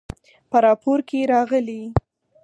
په راپور کې راغلي